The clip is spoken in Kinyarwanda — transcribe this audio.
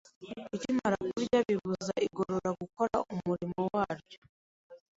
ukimara kurya bibuza igogora gukora umurimo waryo;